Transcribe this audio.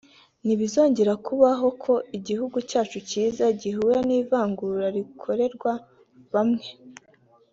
ntibizongera kubaho ko igihugu cyacu cyiza gihura n’ivangura rikorerwa bamwe